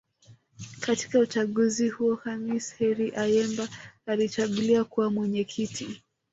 Katika uchaguzi huo Khamis Heri Ayemba alichaguliwa kuwa Mwenyekiti